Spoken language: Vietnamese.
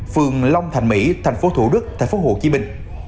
phường long thành mỹ thành phố thủ đức thành phố hồ chí minh